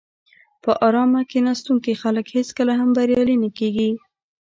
په آرامه کیناستونکي خلک هېڅکله هم بریالي نه کېږي.